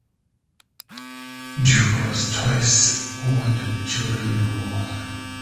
Duke was twice wounded during the War.